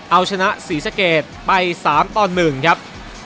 เอาชนะศรีสะเกตไปสามตอนหมื่นครับ